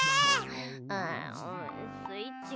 スイッチ？